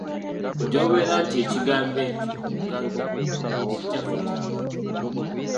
Gy’obeera nti ekigambo ekyo “obugagga” si kyaffe kya nnono!